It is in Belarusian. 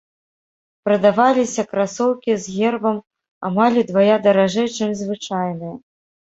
Прадаваліся красоўкі з гербам амаль удвая даражэй, чым звычайныя.